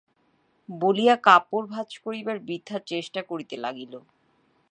বলিয়া কাপড় ভাঁজ করিবার বৃথা চেষ্টা করিতে লাগিল।